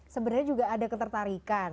sebenarnya juga ada ketertarikan